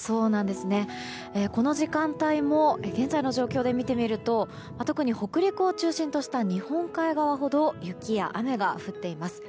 この時間帯も現在の状況で見てみると特に北陸を中心とした日本海側ほど雪や雨が降っています。